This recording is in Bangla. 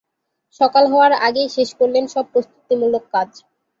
সকাল হওয়ার আগেই শেষ করলেন সব প্রস্তুতিমূলক কাজ।